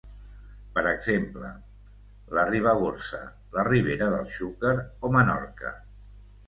Per exemple: la Ribagorça, la Ribera del Xúquer o Menorca.